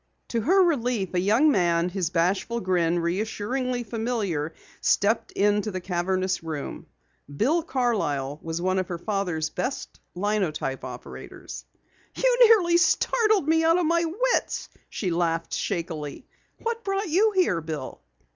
To her relief, a young man, his bashful grin reassuringly familiar, stepped into the cavernous room. Bill Carlyle was one of her father's best linotype operators. "You nearly startled me out of my wits," she laughed shakily, "What brought you here, Bill?"